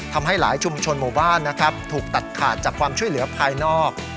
ทำให้หลายชุมชนหมู่บ้านนะครับถูกตัดขาดจากความช่วยเหลือภายนอก